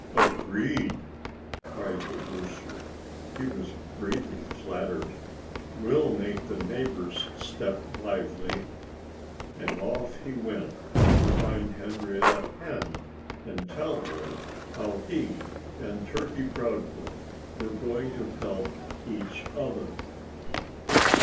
"Agreed!" cried the rooster. He was greatly flattered. "We'll make the neighbors step lively." And off he went, to find Henrietta Hen and tell her how he and Turkey Proudfoot were going to help each other.